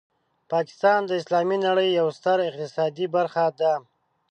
پاکستان د اسلامي نړۍ یوه ستره اقتصادي برخه ده.